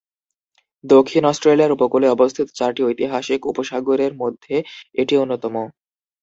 দক্ষিণ অস্ট্রেলিয়ার উপকূলে অবস্থিত চারটি 'ঐতিহাসিক উপসাগরের' মধ্যে এটি অন্যতম।